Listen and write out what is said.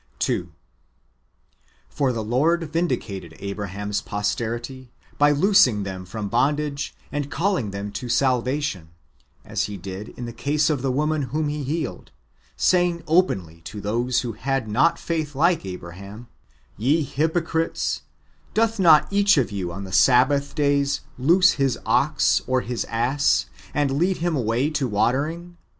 2. For the Lord vindicated Abraham's posterity by loosing them from bondage and calling them to salvation, as He did in the case of the woman whom He healed, saying openly to those who had not faith like Abraham, " Ye hypocrites,^ doth not each one of you on the Sabbath days loose his ox or his ass, and lead him away to watering